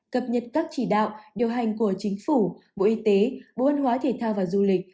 cập nhật các chỉ đạo điều hành của chính phủ bộ y tế bộ văn hóa thể thao và du lịch